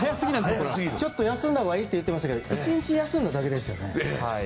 ちょっと休んだほうがいいと言ってましたけど１日休んだだけでしたよね。